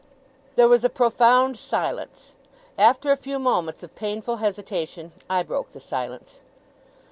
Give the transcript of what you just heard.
There was a profound silence. After a few moments of painful hesitation, I broke the silence.